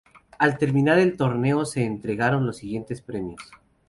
Al terminar el torneo se entregaron los siguientes premios.